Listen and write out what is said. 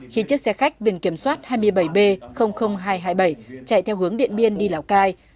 khi chiếc xe khách biển kiểm soát hai mươi bảy b hai trăm hai mươi bảy chạy theo hướng điện biên đi lào cai